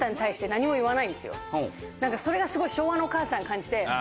それがすごい昭和の母ちゃんに感じて。